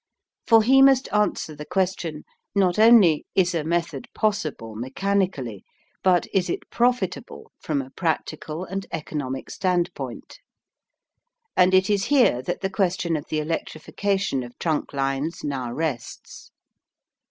For he must answer the question not only is a method possible mechanically, but is it profitable from a practical and economic standpoint? And it is here that the question of the electrification of trunk lines now rests.